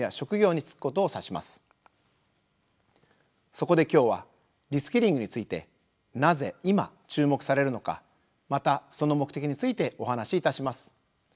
そこで今日は「リスキリング」についてなぜ今注目されるのかまたその目的についてお話しいたします。